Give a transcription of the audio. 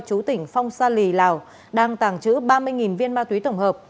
chú tỉnh phong sa lì lào đang tàng trữ ba mươi viên ma túy tổng hợp